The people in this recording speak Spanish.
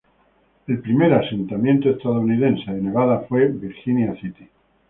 El primer asentamiento estadounidense de Nevada fue Virginia City.